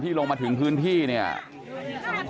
เพื่อนบ้านเจ้าหน้าที่อำรวจกู้ภัย